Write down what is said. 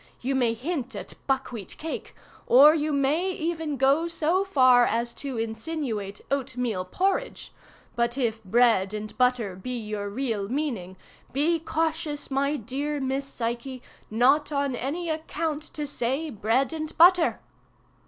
You may hint at buck wheat cake, or you may even go so far as to insinuate oat meal porridge, but if bread and butter be your real meaning, be cautious, my dear Miss Psyche, not on any account to say 'bread and butter!